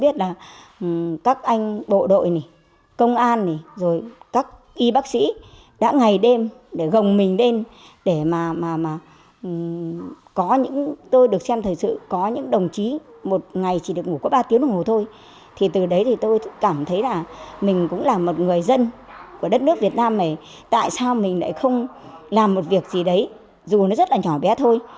tại sao mình lại không làm một việc gì đấy dù nó rất là nhỏ bé thôi